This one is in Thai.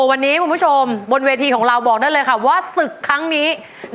วันนี้บนเวทีของเราบอกได้เลยว่าศึกครั้งนี้